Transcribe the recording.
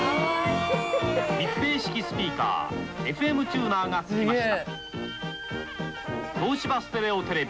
密閉式スピーカーＦＭチューナーが付きました。